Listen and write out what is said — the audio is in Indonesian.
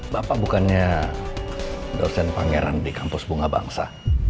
bapak bukannya dosen pangeran di kampus bunga bangsa